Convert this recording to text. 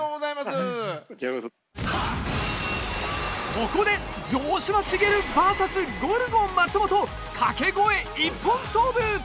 ここで城島茂バーサスゴルゴ松本掛け声一本勝負！